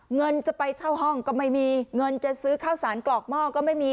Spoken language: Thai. เงินจะไปเช่าห้องก็ไม่มีเงินจะซื้อข้าวสารกรอกหม้อก็ไม่มี